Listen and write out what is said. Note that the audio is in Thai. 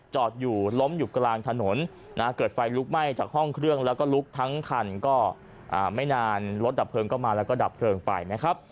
จอดอยู่ล้มอยู่กลางถนนเกิดไฟลุกไหม้จากห้องเครื่องแล้วก็ลุกทั้งคันก็ไม่นานรถดับเพลิงก็มาแล้วก็ดับเพลิงไปนะครับ